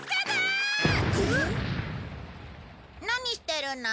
何してるの？